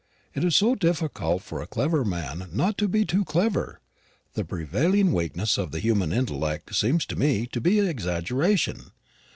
It is so difficult for a clever man not to be too clever. The prevailing weakness of the human intellect seems to me to be exaggeration.